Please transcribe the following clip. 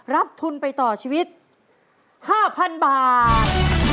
รับทุนไปต่อชีวิต๕๐๐๐บาท